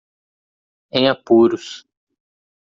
Em apuros